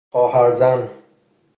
خواهرزن